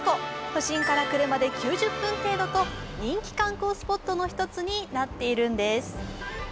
都心から車で９０分程度と人気観光スポットの一つになっているんです。